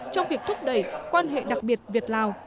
trong việc thúc đẩy quan hệ đặc biệt việt lào